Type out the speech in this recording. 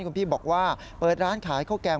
คุณพี่บอกว่าเปิดร้านขายข้าวแกง